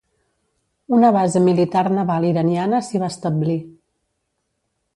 Una base militar naval iraniana s'hi va establir.